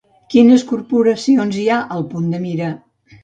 Quines corporacions hi ha al punt de mira?